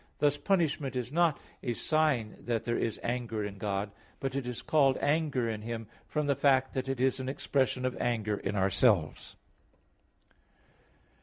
Thus punishment is not a sign that there is anger in God; but it is called anger in Him, from the fact that it is an expression of anger in ourselves.